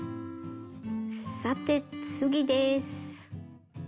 さて次です。